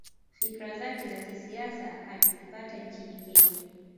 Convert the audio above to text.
Fikra zake za kisiasa alizipata nchini Kenya